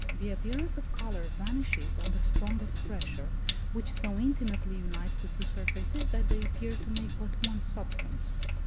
The appearance of colour vanishes on the strongest pressure, which so intimately unites the two surfaces that they appear to make but one substance.